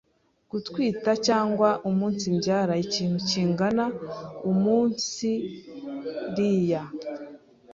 gutwita cg umunsibyara ikintu kingana umunsiriya